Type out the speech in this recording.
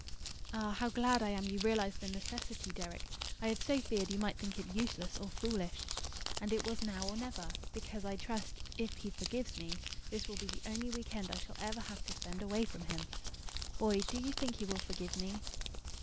"Ah, how glad I am you realise the necessity, Deryck! I had so feared you might think it useless or foolish. And it was now or never; because I trust if he forgives me this will be the only week end I shall ever have to spend away from him. Boy, do you think he will forgive me?"